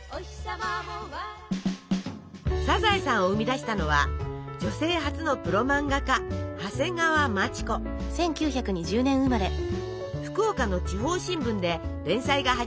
「サザエさん」を生み出したのは女性初のプロ漫画家福岡の地方新聞で連載が始まった「サザエさん」。